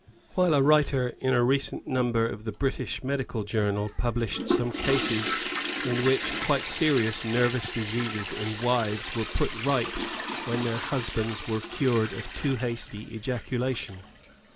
While a writer in a recent number of the British Medical Journal^ published some cases in which quite serious nervous diseases in wives were put right when their husbands were cured of too hasty ejaculation.